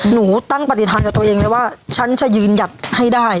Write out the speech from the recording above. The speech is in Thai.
หนูตั้งปฏิฐานกับตัวเองเลยว่าฉันจะยืนหยัดให้ได้